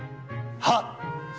はっ。